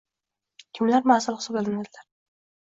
kimlar mas’ul hisoblanadilar?